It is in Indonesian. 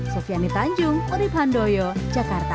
sofiani tanjung urib handoyo jakarta